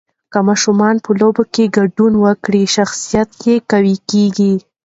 که ماشوم په لوبو کې ګډون وکړي، شخصیت یې قوي کېږي.